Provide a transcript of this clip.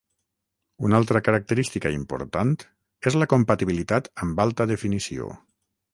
Una altra característica important és la compatibilitat amb Alta Definició.